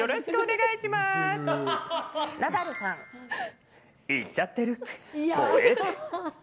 いっちゃってる。